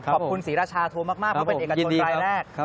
ขอบคุณศรีราชาทัวร์มากเพราะเป็นเอกชนรายแรก